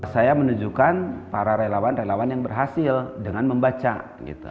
saya menunjukkan para relawan relawan yang berhasil dengan membaca gitu